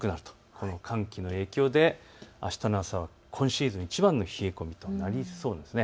この寒気の影響であしたの朝は今シーズンいちばんの冷え込みとなりそうです。